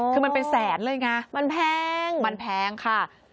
คือมันเป็นแสนเลยไงมันแพงมันแพงค่ะ